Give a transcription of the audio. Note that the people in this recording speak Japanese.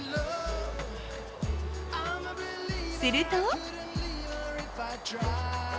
すると。